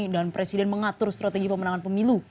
dan presiden mengatur strategi pemenangan pemilu